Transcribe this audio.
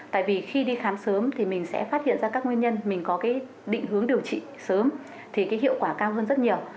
tại vì khi đi khám sớm thì mình sẽ phát hiện ra các nguyên nhân mình có cái định hướng điều trị sớm thì cái hiệu quả cao hơn rất nhiều